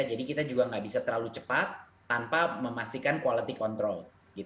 jadi kita juga nggak bisa terlalu cepat tanpa memastikan quality control